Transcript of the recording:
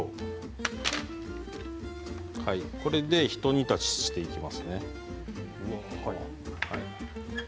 これでひと煮立ちしていきます。